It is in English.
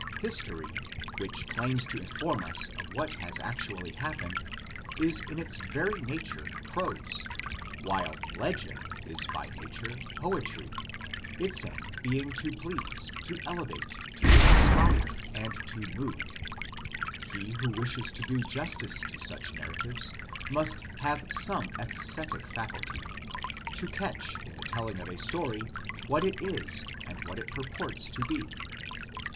History, which claims to inform us of what has actually happened, is in its very nature prose, while legend is by nature poetry, its aim being to please, to elevate, to inspire and to move. He who wishes to do justice to such SIGNIFICANCE OF THE LEGENDS. 11 narratives must have some aesthetic faculty, to catch in the telling of a story what it is and what it purports to be.